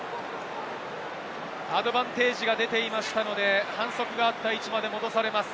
アドバンテージが出ていましたので、反則があった位置まで戻されます。